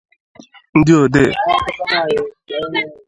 ndị odee